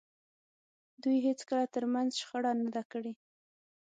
دوی هېڅکله تر منځ شخړه نه ده کړې.